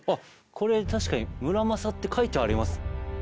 これ確かに「村正」って書いてあります。